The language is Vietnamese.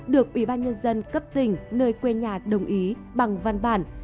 được ủy ban nhân dân cấp tỉnh nơi quê nhà đồng ý bằng văn bản